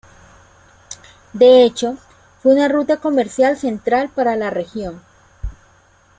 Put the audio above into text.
De hecho, fue una ruta comercial central para la región.